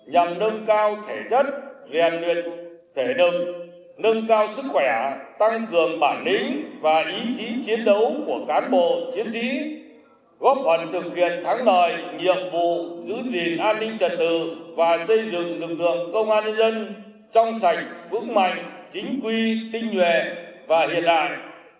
nhằm nâng cao thể chất rèn luyện thể đựng nâng cao sức khỏe tăng cường bản lĩnh và ý chí chiến đấu của cán bộ chiến sĩ góp ẩn thực hiện thắng lời nhiệm vụ giữ gìn an ninh trật tự và xây dựng lực lượng công an nhân dân trong sạch vững mạnh chính quy tinh nhuệ và hiện đại